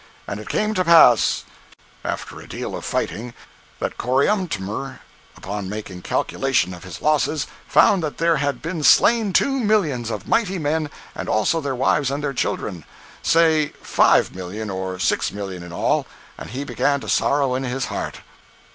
"And it came to pass," after a deal of fighting, that Coriantumr, upon making calculation of his losses, found that "there had been slain two millions of mighty men, and also their wives and their children"—say 5,000,000 or 6,000,000 in all—"and he began to sorrow in his heart."